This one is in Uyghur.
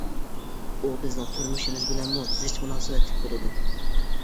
ئۇ بىزنىڭ تۇرمۇشىمىز بىلەنمۇ زىچ مۇناسىۋەتلىك بولىدۇ.